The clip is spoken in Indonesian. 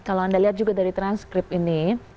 kalau anda lihat juga dari transkrip ini